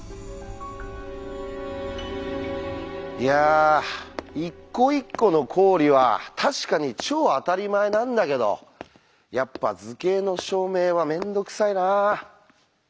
いや一個一個の公理は確かに超あたりまえなんだけどやっぱ図形の証明はめんどくさいなあ。